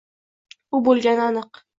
u bo’lgani aniq.